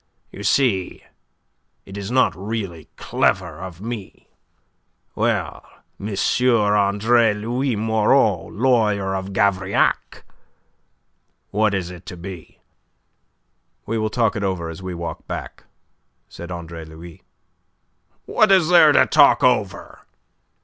You see it is not really clever of me. Well, M. Andre Louis Moreau, lawyer of Gavrillac, what is it to be?" "We will talk it over as we walk back," said Andre Louis. "What is there to talk over?"